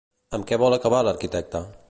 Amb què vol acabar l'arquitecte?